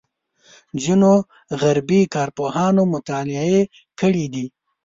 ځینو غربي کارپوهانو مطالعې کړې دي.